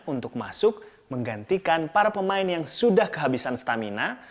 untuk masuk menggantikan para pemain yang sudah kehabisan stamina